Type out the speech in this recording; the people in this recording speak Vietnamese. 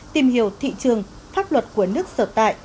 tìm hiểu thị trường pháp luật của nước sở tại